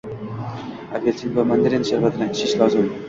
Apel'sin va mandarin sharbatini ichish lozim.